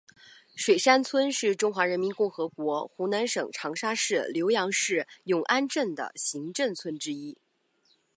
水山村是中华人民共和国湖南省长沙市浏阳市永安镇的行政村之一。